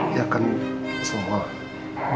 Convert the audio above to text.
dia akan selama